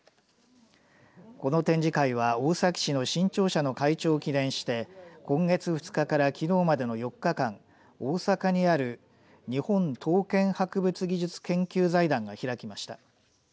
この展示会は大崎市の新庁舎の開庁を記念して今月２日からきのうまでの４日間大阪にある日本刀剣博物技術研究財団が開きました。